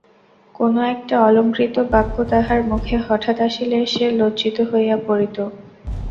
কোনো একটা অলংকৃত বাক্য তাহার মুখে হঠাৎ আসিলে সে লজ্জিত হইয়া পড়িত।